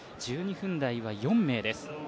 １２分台は４名です。